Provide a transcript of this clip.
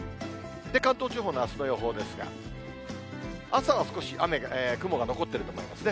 関東地方のあすの予報ですが、朝は少し雲が残ってると思いますね。